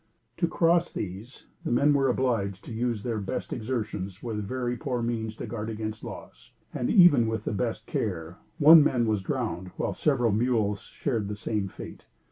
To cross these, the men were obliged to use their best exertions with very poor means to guard against loss; and, even with the best care, one man was drowned, while several mules shared the same fate.